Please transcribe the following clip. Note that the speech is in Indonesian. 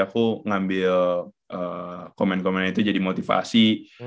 aku ngambil komen komennya itu jadi motivasi